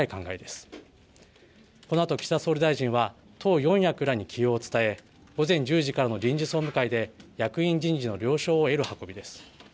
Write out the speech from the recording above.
そのあと岸田総理大臣は党四役らに起用を伝え午前１０時からの臨時総務会で役員人事の了承を得る運びです。